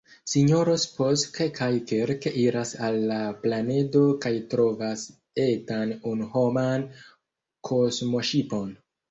Sinjoro Spock kaj Kirk iras al la planedo kaj trovas etan unu-homan kosmoŝipon.